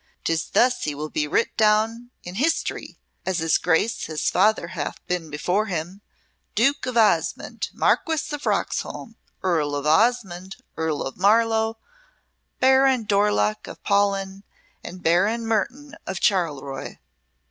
'Tis thus he will be writ down in history, as his Grace his father hath been before him: Duke of Osmonde Marquess of Roxholm Earl of Osmonde Earl of Marlowell Baron Dorlocke of Paulyn, and Baron Mertoun of Charleroy."